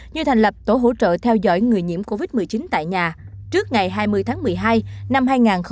như thành lập tổ hỗ trợ theo dõi người nhiễm covid một mươi chín tại nhà trước ngày hai mươi tháng một mươi hai năm hai nghìn hai mươi